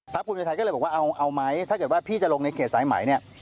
ภูมิใจไทยก็เลยบอกว่าเอาไหมถ้าเกิดว่าพี่จะลงในเขตสายไหมเนี่ย